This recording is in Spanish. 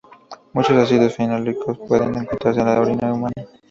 Muchos ácidos fenólicos pueden encontrarse en la orina humana.